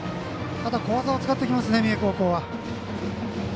ただ、小技を使ってきますね三重高校は。